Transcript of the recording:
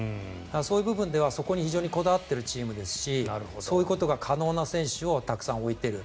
そういう部分ではそこに非常にこだわっているチームですしそういうことが可能な選手をたくさん置いている。